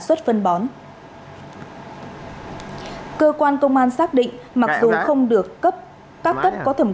xuất phân bón cơ quan công an xác định mặc dù không được cấp các cấp có thẩm chí nhưng các cấp có thẩm chí